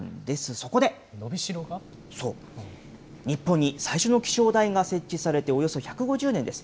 そこで、日本に最初の気象台が設置されておよそ１５０年です。